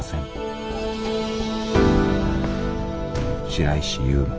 白石悠磨」。